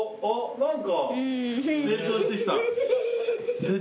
何か。